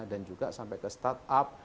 dan juga sampai ke start up